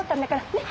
ねっ？